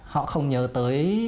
họ không nhớ tới